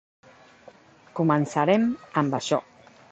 Començarem amb això.